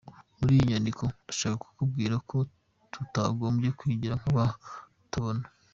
Muri iyi nyandiko ndashaka kukubwira ko tutagombye kwigira nkabatabona.